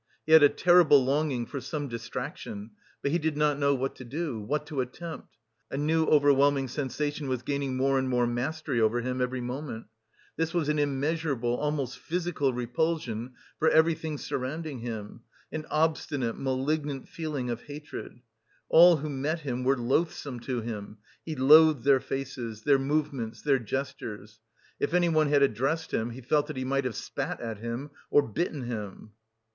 He had a terrible longing for some distraction, but he did not know what to do, what to attempt. A new overwhelming sensation was gaining more and more mastery over him every moment; this was an immeasurable, almost physical, repulsion for everything surrounding him, an obstinate, malignant feeling of hatred. All who met him were loathsome to him he loathed their faces, their movements, their gestures. If anyone had addressed him, he felt that he might have spat at him or bitten him....